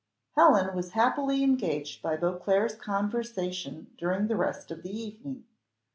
Helen was happily engaged by Beauclerc's conversation during the rest of the evening.